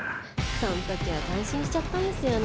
「その時は感心しちゃったんですよね」